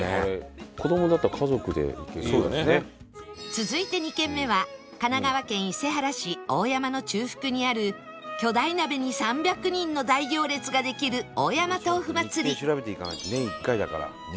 続いて２軒目は神奈川県伊勢原市大山の中腹にある巨大鍋に３００人の大行列ができる大山とうふまつり